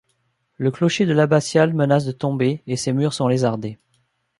Le clocher de l'abbatiale menace de tomber et ses murs sont lézardés.